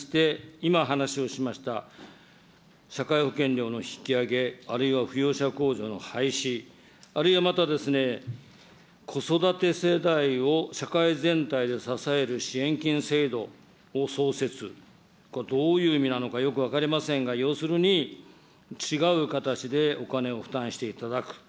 こういうパターンが多いんですが、総理ですね、少なくとも少子化に関して、今話をしました、社会保険料の引き上げ、あるいは扶養者控除の廃止、あるいはまたですね、子育て世帯を社会全体で支える支援金制度を創設、これはどういう意味なのかよく分かりませんが、要するに違う形でお金を負担していただく。